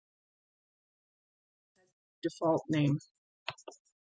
The main character in the game has no default name.